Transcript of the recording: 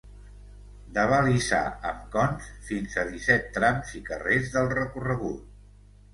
D’abalisar amb cons fins a disset trams i carrers del recorregut.